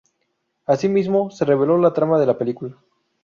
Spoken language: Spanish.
Asimismo, se reveló la trama de la película.